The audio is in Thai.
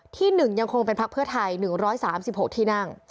ที่หนึ่งยังคงเป็นพรรคเพื่อไทย๑๓๖ที่นั่ง